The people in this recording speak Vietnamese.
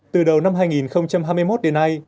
từ đầu năm hai nghìn hai mươi một đến nay